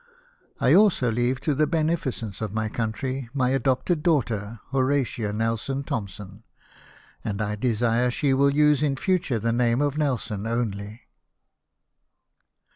" I also leave to the beneficence of my country my adopted daughter, Horatia Nelson Thompson ; and I desire she will use in future the name of Nelson only.